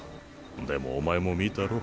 でもお前も見たろ？